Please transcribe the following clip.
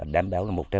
đảm bảo là một trăm linh